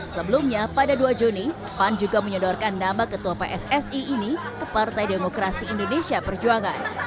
sebelumnya pada dua juni pan juga menyodorkan nama ketua pssi ini ke partai demokrasi indonesia perjuangan